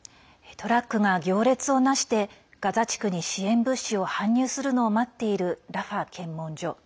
トラックが行列をなしてガザ地区に支援物資を搬入するのを待っているラファ検問所。